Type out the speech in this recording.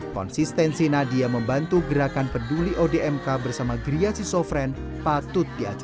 konsistensi nadia membantu gerakan peduli odmk bersama gria siso fren patut diacu